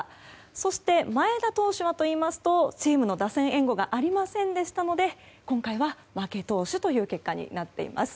そして前田投手はチームの打線援護がありませんでしたので今回は負け投手という結果になっています。